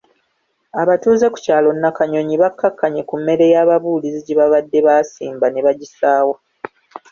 Abatuuze ku kyalo Nakanyonyi bakkakkanye ku mmere ya babuulizi gye babadde baasimba ne bagisaawa.